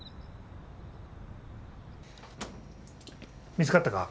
見つかったか？